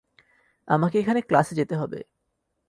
আমাকে এখানে ক্লাসে যেতে হবে।